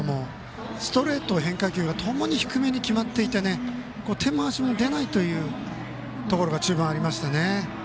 ストレート、変化球ともに低めに決まっていて手も足も出ないというところが中盤にありましたね。